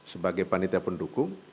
sebagai panitia pendukung